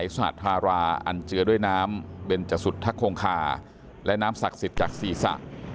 สหธาราอันเจือด้วยน้ำเบนจสุธคงคาและน้ำศักดิ์สิทธิ์จากศีรษะ